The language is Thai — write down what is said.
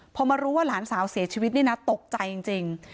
พอมารู้ว่าหลานสาวเสียชีวิตนี่นะตกใจจริง